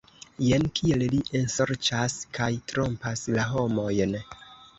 Jen kiel li ensorĉas kaj trompas la homojn!